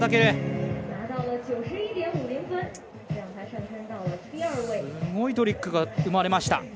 すごいトリックが生まれました。